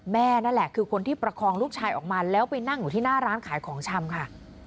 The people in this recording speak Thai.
แม่นั่นแหละคือคนที่ประคองลูกชายออกมาแล้วไปนั่งอยู่ที่หน้าร้านขายของชำค่ะ